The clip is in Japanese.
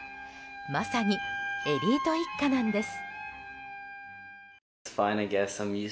まさにエリート一家なんです。